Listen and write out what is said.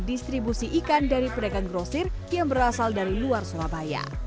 distribusi ikan dari pedagang grosir yang berasal dari luar surabaya